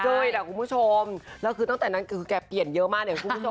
ด้วยแต่คุณผู้ชมถึงตั้งแต่นั้นก็เปลี่ยนเยอะมาก